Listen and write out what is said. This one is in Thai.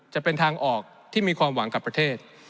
จะเป็นทางออกที่มีความหวังกับประเทศ